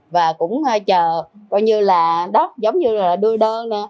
và cũng chờ giống như là đưa đơn